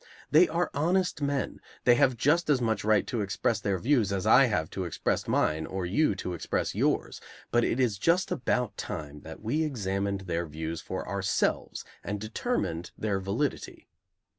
They are honest men, they have just as much right to express their views as I have to express mine or you to express yours, but it is just about time that we examined their views for ourselves and determined their validity.